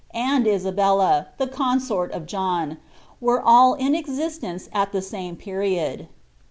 and Isabella, ihe consort of John, were all in existence at the same period.